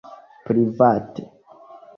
private